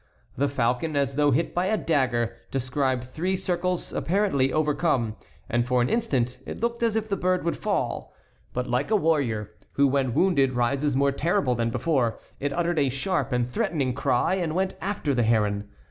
The falcon, as though hit by a dagger, described three circles, apparently overcome, and for an instant it looked as if the bird would fall. But like a warrior, who when wounded rises more terrible than before, it uttered a sharp and threatening cry, and went after the heron.